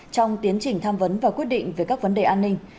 trong tiến trình tham vấn và quyết định về các vấn đề an ninh